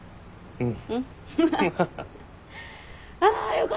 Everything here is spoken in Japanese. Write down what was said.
うん。